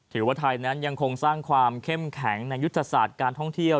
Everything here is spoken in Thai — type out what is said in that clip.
ถือว่าไทยนั้นยังคงสร้างความเข้มแข็งในยุทธศาสตร์การท่องเที่ยว